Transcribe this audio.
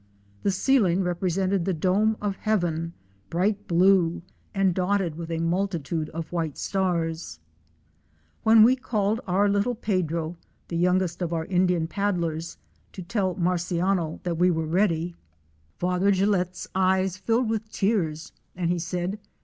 The ceiling represented the dome of heaven, bright blue, and dotted with a multitude of white stars. When we called our little Pedro, the youngest of our In dian paddlers, to tell Marciano that we were ready, Father OUR SEARCH FOR A WILDERNESS.